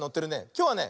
きょうはね